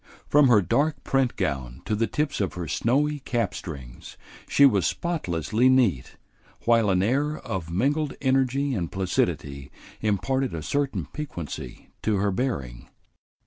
From her dark print gown to the tips of her snowy cap strings she was spotlessly neat, while an air of mingled energy and placidity imparted a certain piquancy to her bearing.